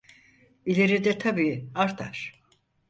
İleride tabii artar.